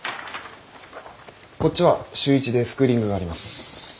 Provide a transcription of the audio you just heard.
こっちは週１でスクーリングがあります。